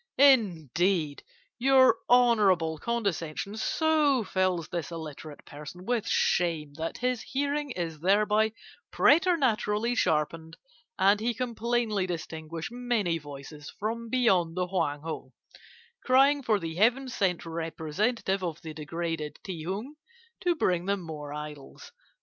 Indeed, your honourable condescension so fills this illiterate person with shame that his hearing is thereby preternaturally sharpened, and he can plainly distinguish many voices from beyond the Hoang Ho, crying for the Heaven sent representative of the degraded Ti Hung to bring them more idols.